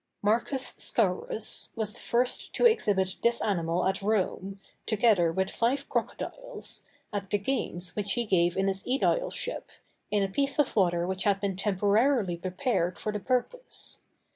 _] Marcus Scaurus was the first to exhibit this animal at Rome, together with five crocodiles, at the games which he gave in his ædileship, in a piece of water which had been temporarily prepared for the purpose.